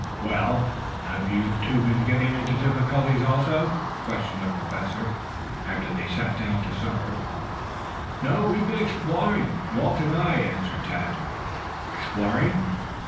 "Well, have you two been getting into difficulties also?" questioned the Professor, after they sat down to supper. "No; we've been exploring, Walter and I," answered Tad. "Exploring?"